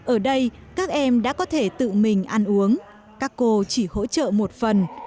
ở đây các em đã có thể tự mình ăn uống các cô chỉ hỗ trợ một phần